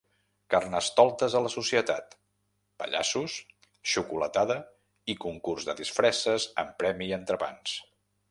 Carnestoltes a la Societat: pallassos, xocolatada i concurs de disfresses amb premi i entrepans.